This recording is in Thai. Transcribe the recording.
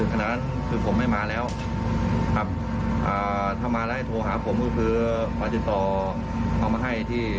คุยโตษับเรื่องอะไร